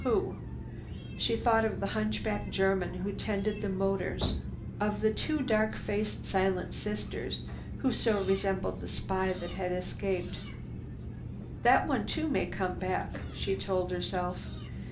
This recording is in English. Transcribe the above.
"Who?" She thought of the hunchback German who tended the motors, of the two dark faced silent sisters who so resembled the spy that had escaped. "That one too may come back," she told herself.